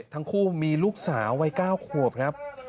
ทั้งคู่มีลูกสาววัย๙ขวบครับ